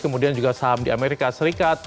kemudian juga saham di amerika serikat